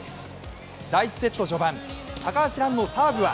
第１セット序盤、高橋藍のサーブは